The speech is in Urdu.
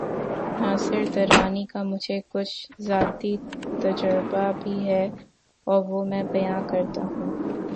ناصر درانی کا مجھے کچھ ذاتی تجربہ بھی ہے‘ اور وہ میں بیان کرتا ہوں۔